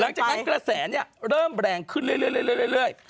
หลังจากนั้นกระแสนี่เริ่มแรงขึ้นเรื่อย